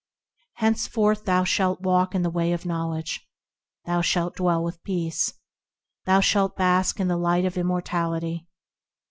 Henceforth thou shalt walk in the way of knowledge, Thou shalt dwell with peace, Thou shalt bask in the light of immortality.